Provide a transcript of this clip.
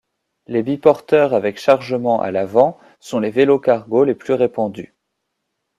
Les biporteurs avec chargement à l’avant sont les vélos-cargos les plus répandus.